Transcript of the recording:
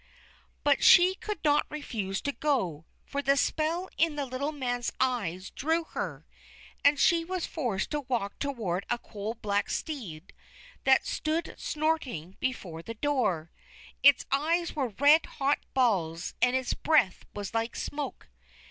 But she could not refuse to go, for the spell in the little man's eyes drew her, and she was forced to walk toward a coal black steed that stood snorting before the door. Its eyes were red hot balls, and its breath was like smoke.